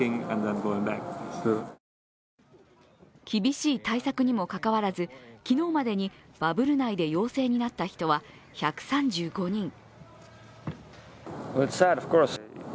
厳しい対策にもかかわらず、昨日までにバブル内で陽性になった人は１３５人。